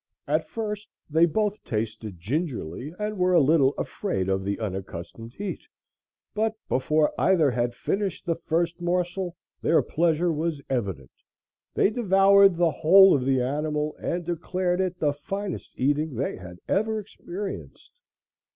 At first they both tasted gingerly and were a little afraid of the unaccustomed heat, but before either had finished the first morsel their pleasure was evident. They devoured the whole of the animal, and declared it the finest eating they had ever experienced.